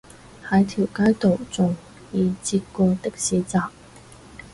喺條街度仲易截過的士站